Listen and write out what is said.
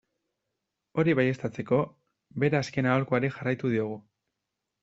Hori baieztatzeko, bere azken aholkuari jarraitu diogu.